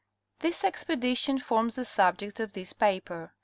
This expedition forms the subject of this paper.